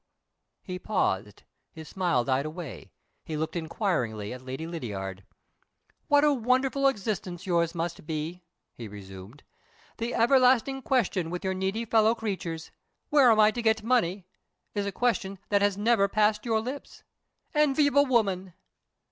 He paused, his smile died away, he looked inquiringly at Lady Lydiard. "What a wonderful existence yours must be," he resumed. "The everlasting question with your needy fellow creatures, 'Where am I to get money?' is a question that has never passed your lips. Enviable woman!"